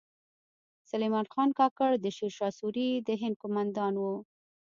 سلیمان خان کاکړ د شیر شاه سوري د هند کومندان و